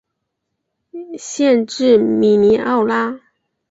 县治米尼奥拉。